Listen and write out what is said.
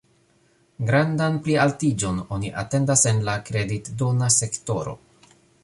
Grandan plialtiĝon oni atendas en la kreditdona sektoro.